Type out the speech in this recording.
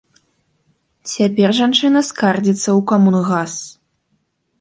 Цяпер жанчына скардзіцца ў камунгас.